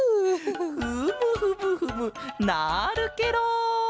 フムフムフムなるケロ！